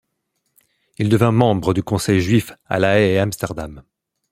Il devint membre du Conseil juif à La Haye et Amsterdam.